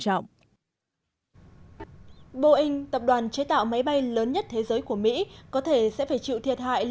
trọng boeing tập đoàn chế tạo máy bay lớn nhất thế giới của mỹ có thể sẽ phải chịu thiệt hại